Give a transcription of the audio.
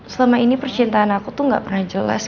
selama ini percintaan aku tuh gak pernah jelas